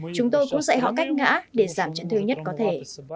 chúng tôi cũng dạy họ cách ngã để giảm trận thương nhất có thể